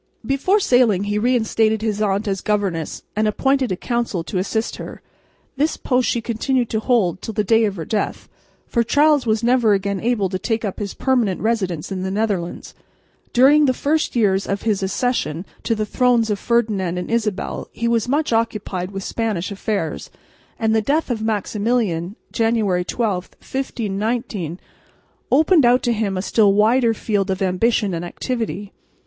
Before sailing he reinstated his aunt as governess, and appointed a council to assist her. This post she continued to hold till the day of her death, for Charles was never again able to take up his permanent residence in the Netherlands. During the first years after his accession to the thrones of Ferdinand and Isabel he was much occupied with Spanish affairs; and the death of Maximilian, January 12, 1519, opened out to him a still wider field of ambition and activity.